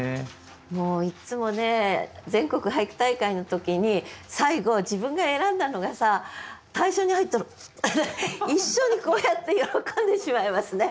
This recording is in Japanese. もういっつもね全国俳句大会の時に最後自分が選んだのがさ大賞に入ったのを一緒にこうやって喜んでしまいますね。